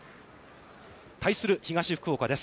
対する東福岡です。